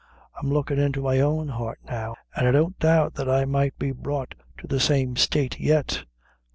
I'm lookin' into my own heart now, and I don't doubt but I might be brought to the same state yet.